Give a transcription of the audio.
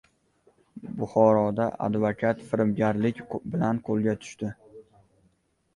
Buxoroda advokat firibgarlik bilan qo‘lga tushdi